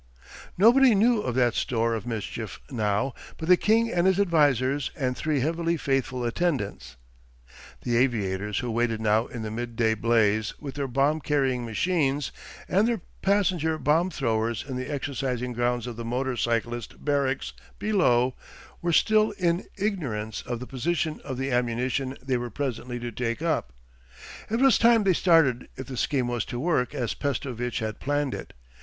Nobody knew of that store of mischief now but the king and his adviser and three heavily faithful attendants; the aviators who waited now in the midday blaze with their bomb carrying machines and their passenger bomb throwers in the exercising grounds of the motor cyclist barracks below were still in ignorance of the position of the ammunition they were presently to take up. It was time they started if the scheme was to work as Pestovitch had planned it.